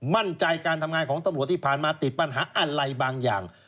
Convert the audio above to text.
มั่นใจการทำงานของตำรวจที่ผ่านมาติดปัญหาอะไรบางอย่าง